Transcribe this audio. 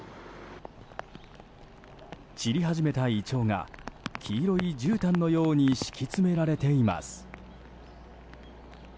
散り始めたイチョウが黄色いじゅうたんのように敷き詰められています。